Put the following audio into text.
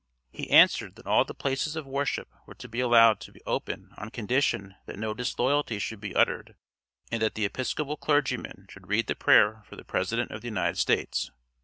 He answered that all the places of worship were to be allowed to open on condition that no disloyalty should be uttered, and that the Episcopal clergymen should read the prayer for the President of the United States.